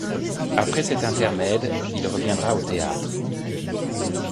Après cet intermède, il reviendra au théâtre.